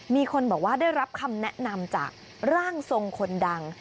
มีคนบอกว่าได้รับคำแนะนำจากร่างทรงคนดัง